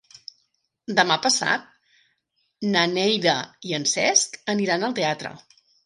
Demà passat na Neida i en Cesc iran al teatre.